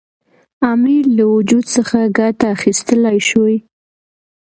امیر له وجود څخه ګټه اخیستلای شوای.